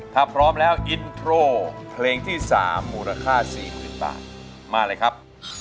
ถ้าพร้อมแล้วอินโทรเพลงที่๓มูลค่า๔๐๐๐บาทมาเลยครับ